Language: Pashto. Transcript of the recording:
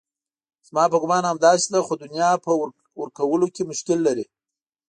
زما په ګومان همداسې ده خو دنیا په ورکولو کې مشکل لري.